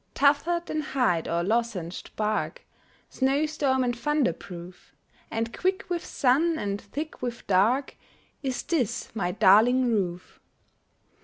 Tougher than hide or lozenged bark, Snow storm and thunder proof, And quick with sun, and thick with dark, Is this my darling roof.